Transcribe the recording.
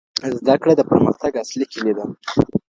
زده کړه د پرمختګ اصلي کیلي ده.